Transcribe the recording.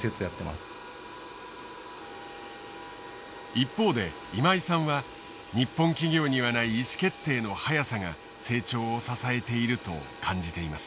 一方で今井さんは日本企業にはない意思決定の速さが成長を支えていると感じています。